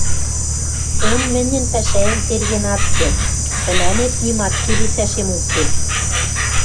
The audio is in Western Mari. — Тӹнь мӹньӹн пӓшӓэм терген ат керд, тӹлӓнет нимат келесӓшем уке.